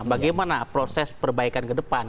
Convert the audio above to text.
bagaimana proses perbaikan kedepan